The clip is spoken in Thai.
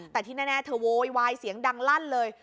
แต่ที่แน่เธอโวยวายเสียงดังลั่นเลย